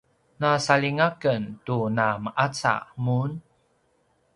na saljinga ken tu na meqaca mun